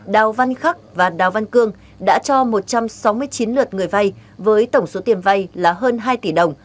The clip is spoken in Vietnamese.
đào văn khắc và đào văn cương đã cho một trăm sáu mươi chín lượt người vay với tổng số tiền vay là hơn hai tỷ đồng